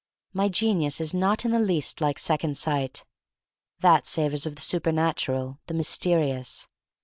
My genius is not in the least like second sight. That savors of the supernatural, the mysterious.